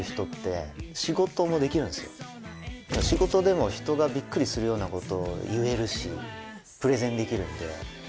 仕事でも人がびっくりするようなことを言えるしプレゼンできるので。